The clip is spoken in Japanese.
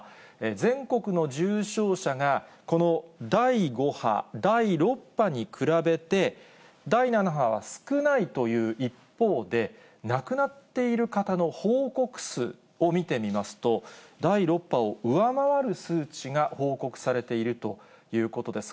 全国の重症者が、この第５派、第６波に比べて、第７波は少ないという一方で、亡くなっている方の報告数を見てみますと、第６波を上回る数値が報告されているということです。